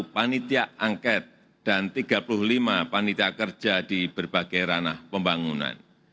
panitia angket dan tiga puluh lima panitia kerja di berbagai ranah pembangunan